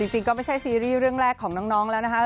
จริงก็ไม่ใช่ซีรีส์เรื่องแรกของน้องแล้วนะคะ